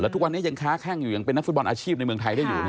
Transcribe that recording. ทุกวันนี้ยังค้าแข้งอยู่ยังเป็นนักฟุตบอลอาชีพในเมืองไทยได้อยู่